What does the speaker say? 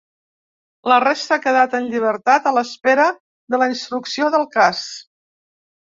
La resta ha quedat en llibertat a l’espera de la instrucció del cas.